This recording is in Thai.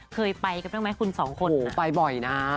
เคยไปกันไม่ได้มั้ยคุณสองคนนะโหไปบ่อยนะ